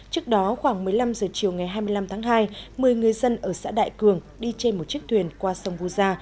trước đó khoảng một mươi năm h chiều ngày hai mươi năm tháng hai một mươi người dân ở xã đại cường đi trên một chiếc thuyền qua sông vu gia